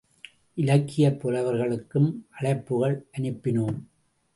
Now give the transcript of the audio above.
இலக்கியப் புலவர்களுக்கும் அழைப்புகள் அனுப்பினோம்.